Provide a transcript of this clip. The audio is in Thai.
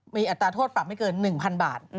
มีอัตราโทษปรับไม่เกิน๑๐๐๐บาท